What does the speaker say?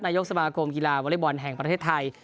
นายกสมาคมกีฬาวอเล็กบอลแห่งประเทศไทย